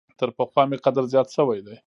تر پخوا مي قدر زیات شوی دی .